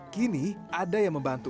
kini ada yang membantu